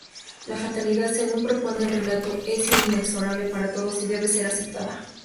La fatalidad, según propone el relato, es inexorable para todos y debe ser aceptada.